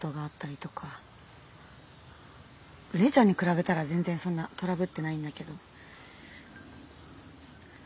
玲ちゃんに比べたら全然そんなトラブってないんだけど。